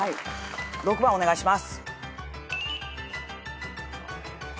６番お願いします。